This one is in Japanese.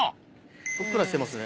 ふっくらしてますね。